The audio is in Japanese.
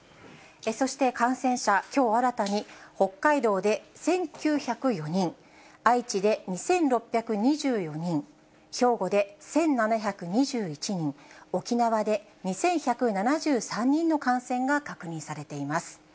そして感染者、きょう新たに北海道で１９０４人、愛知で２６２４人、兵庫で１７２１人、沖縄で２１７３人の感染が確認されています。